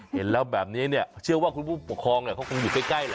เห็นแล้วแบบนี้เชื่อว่าคุณผู้ปกครองคงอยู่ใกล้